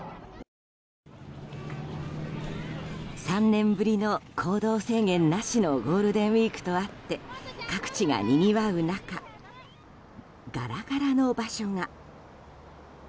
３年ぶりの行動制限なしのゴールデンウィークとあって各地がにぎわう中ガラガラの場所が。